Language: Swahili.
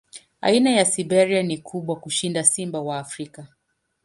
Aina ya Siberia ni kubwa kushinda simba wa Afrika.